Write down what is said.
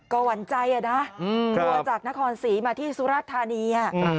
ก็หวั่นใจนะทัวร์จากนครศรีมาที่สุราธานี